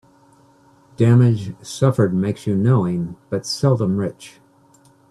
Damage suffered makes you knowing, but seldom rich.